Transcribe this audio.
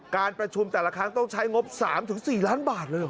การประชุมแต่ละครั้งต้องใช้งบ๓๔ล้านบาทเลยเหรอ